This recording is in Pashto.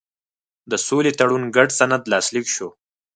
د سولې تړون ګډ سند لاسلیک شو.